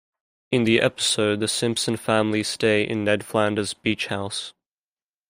In the episode, the Simpson family stay in Ned Flanders' beach house.